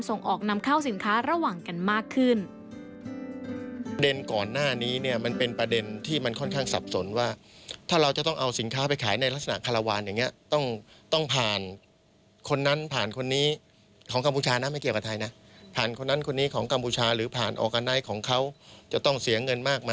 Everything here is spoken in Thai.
ส่งออกนำเข้าสินค้าระหว่างกันมากขึ้น